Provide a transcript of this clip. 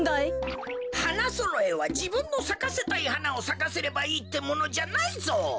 花そろえはじぶんのさかせたいはなをさかせればいいってものじゃないぞ。